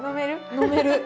飲める。